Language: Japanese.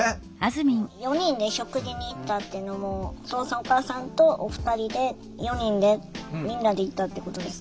「４人で食事に行った」っていうのもお父さんお母さんとお二人で４人でみんなで行ったってことですか？